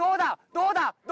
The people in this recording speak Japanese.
どうだ？